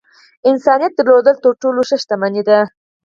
انسانيت درلودل تر ټولو ښۀ شتمني ده .